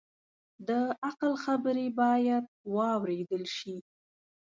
د عقل خبرې باید واورېدل شي